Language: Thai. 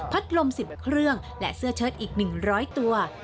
ลม๑๐เครื่องและเสื้อเชิดอีก๑๐๐ตัว